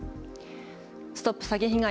ＳＴＯＰ詐欺被害！